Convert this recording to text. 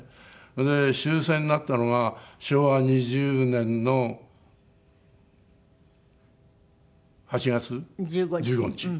それで終戦になったのが昭和２０年の８月１５日。